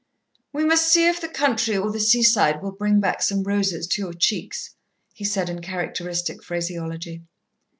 "We must see if the country or the seaside will bring back some roses to your cheeks," he said in characteristic phraseology.